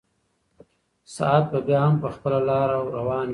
ساعت به بیا هم په خپله لاره روان وي.